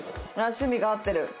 趣味が合ってる。